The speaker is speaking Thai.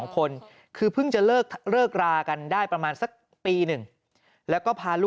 ๒คนคือเพิ่งจะเลิกรากันได้ประมาณสักปีหนึ่งแล้วก็พาลูก